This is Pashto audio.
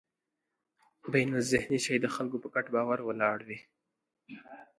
بینالذهني شی د خلکو په ګډ باور ولاړ وي.